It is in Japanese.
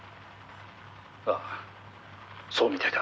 「ああそうみたいだ」